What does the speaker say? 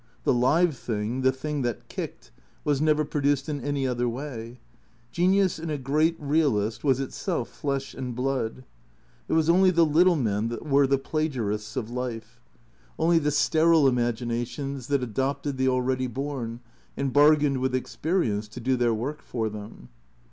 The live thing, the thing that kicked, was never produced in any other way. Genius in a great realist was itself flesh and blood. It was only the little men that were the plagiarists of life; only 15 16 THECREATOES the sterile imaginations that adopted the already born, and bar gained with experience to do their work for them.